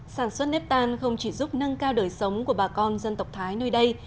sản xuất nếp tan không chỉ giúp nâng cao đời sống của bà con dân tộc thái nơi đây